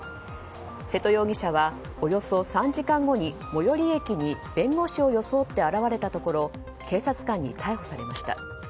瀬戸容疑者はおよそ３時間後に最寄り駅に弁護士を装って現れたところ警察官に逮捕されました。